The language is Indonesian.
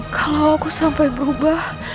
kalau aku sampai berubah